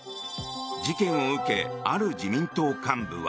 事件を受けある自民党幹部は。